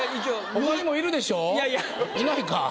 他にもいるでしょう？